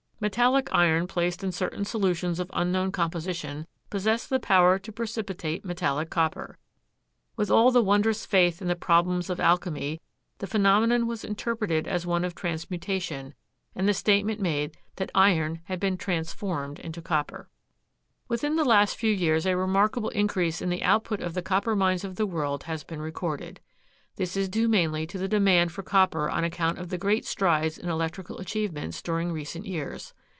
Metallic iron placed in certain solutions of unknown composition possessed the power to precipitate metallic copper. With all the wondrous faith in the problems of alchemy the phenomenon was interpreted as one of transmutation and the statement made that iron had been transformed into copper. Within the last few years a remarkable increase in the output of the copper mines of the world has been recorded. This is due mainly to the demand for copper on account of the great strides in electrical achievements during recent years.